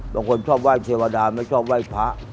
บางคนชอบไหว้เทวดาไม่ชอบไหว้พระ